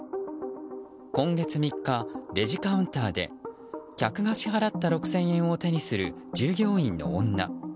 今月３日、レジカウンターで客が支払った６０００円を手にする従業員の女。